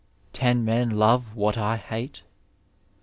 Ten men love what I hate.